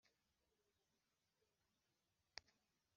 hasohoka Kaneza, umwana we